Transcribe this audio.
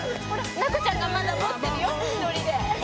なっこちゃんがまだ持ってるよ１人で。